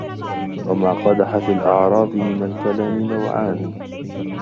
وَمَا قَدَحَ فِي الْأَعْرَاضِ مِنْ الْكَلَامِ نَوْعَانِ